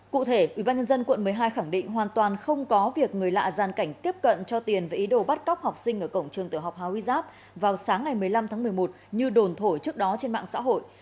cụ thể ubnd quận một mươi hai khẳng định hoàn toàn không có việc người lạ gian cảnh tiếp cận cho tiền với ý đồ bắt cóc học sinh ở cổng trường tiểu học hà huy giáp vào sáng ngày một mươi năm tháng một mươi một như đồn thổi trước đó trên mạng xã hội